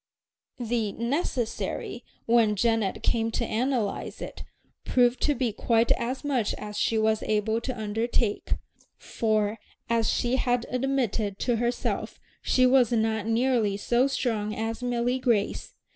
The "necessary," when Janet came to analyze it, proved to be quite as much as she was able to undertake; for, as she had admitted to herself, she was not nearly so strong as Milly Grace.